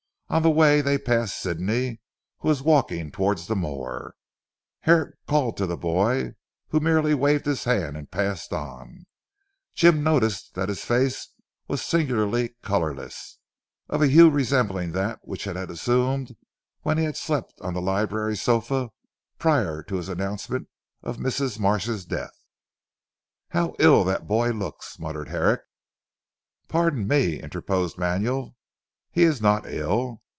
On the way they passed Sidney, who was walking towards the moor. Herrick called to the boy, who merely waved his hand and passed on. Jim noticed that his face was singularly colourless, of a hue resembling that which it had assumed when he had slept on the library sofa prior to his announcement of Mrs. Marsh's death. "How ill that boy looks!" muttered Herrick. "Pardon me," interposed Manuel, "he is not ill.